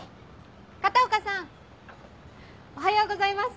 片岡さんおはようございます！